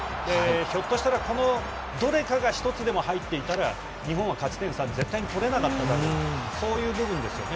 ひょっとしたらこのどれかが１つでも入っていたら日本は勝ち点３絶対に取れなかったであろうそういう部分ですよね。